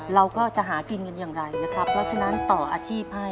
เราก็จะหากินกันอย่างไรนะครับเพราะฉะนั้นต่ออาชีพให้